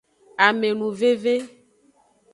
Amenuveve.